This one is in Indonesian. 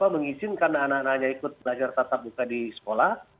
mengizinkan anak anaknya ikut belajar tatap muka di sekolah